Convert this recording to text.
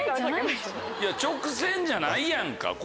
直線じゃないやんか。